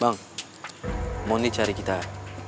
bang moni cari kita